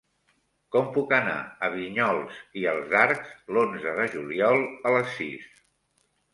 Com puc anar a Vinyols i els Arcs l'onze de juliol a les sis?